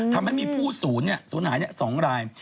ทำให้มีผู้ศูนย์ศูนย์หาย๒ราย